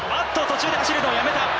途中で走るのをやめた。